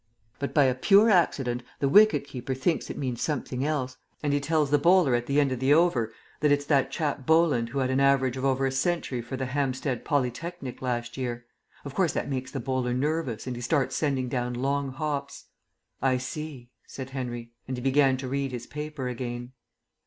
But by a pure accident the wicket keeper thinks it means something else; and he tells the bowler at the end of the over that it's that chap Bolland who had an average of over a century for the Hampstead Polytechnic last year. Of course that makes the bowler nervous and he starts sending down long hops." "I see," said Henry; and he began to read his paper again.